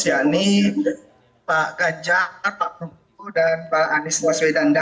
yakni pak gajah pak pembu dan pak anies waswedanda